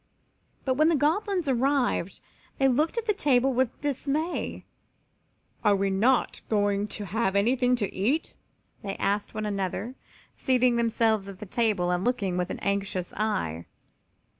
But when the Goblins arrived they looked at the table with dismay. "Are not they going to have anything to eat?" they asked one another, seating themselves at the table and looking with anxious eye.